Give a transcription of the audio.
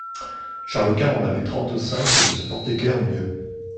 Charles-Quint en avait trente-cinq et ne se portait guère mieux.